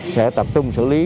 sẽ tập trung xử lý